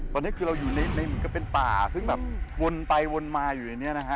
ตอนนี้คือเราอยู่ในเหมือนกับเป็นป่าซึ่งแบบวนไปวนมาอยู่ในนี้นะฮะ